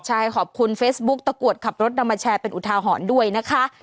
ใช่ขอบคุณเฟซบุ๊กตะกรวดขับรถนำมาแชร์เป็นอุทาหรณ์ด้วยนะคะ